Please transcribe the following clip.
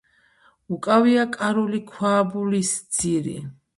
უკავია კარული ქვაბულის ძირი.